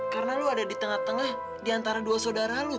karena lo ada di tengah tengah di antara dua saudara lo ton